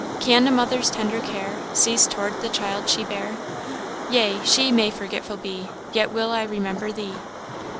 " 'Can a mother's tender care Cease toward the child she bare? Yea she may forgetful be, Yet will I remember thee.